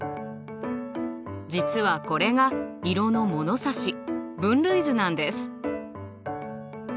実はこれが色の物差し分類図なんです。